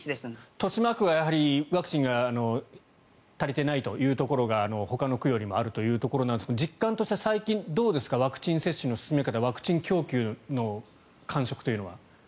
豊島区はワクチンが足りてないというところがほかの区よりもあるというところなんですが実感として最近ワクチン接種の進め方ワクチン供給の感触というのは。